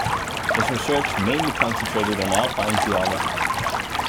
His research mainly concentrated on alpine geology.